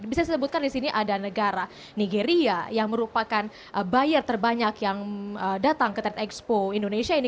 bisa disebutkan di sini ada negara nigeria yang merupakan buyer terbanyak yang datang ke trade expo indonesia ini